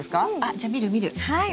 じゃあ見る見る。